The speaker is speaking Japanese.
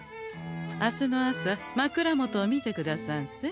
明日の朝枕元を見てくださんせ。